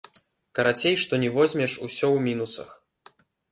Карацей, што ні возьмеш, усё ў мінусах.